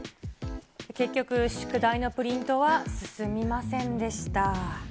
結局、宿題のプリントは進みませんでした。